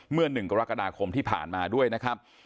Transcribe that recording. เมื่อ๑กรกฎาคมที่ผ่านมาด้วยนะครับ